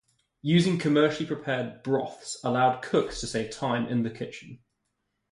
Using commercially prepared broths allows cooks to save time in the kitchen.